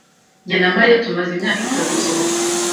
Jye na Mariya tumaze imyaka itatu dusohoka.